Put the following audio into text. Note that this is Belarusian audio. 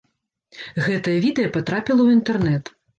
Гэтае відэа патрапіла ў інтэрнэт.